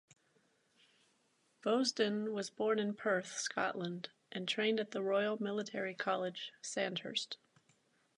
Vousden was born in Perth, Scotland and trained at the Royal Military College, Sandhurst.